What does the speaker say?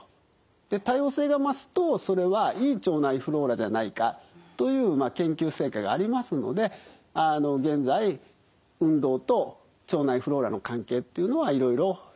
多様性が増すとそれはいい腸内フローラじゃないかという研究成果がありますのであの現在運動と腸内フローラの関係っていうのはいろいろ調べられております。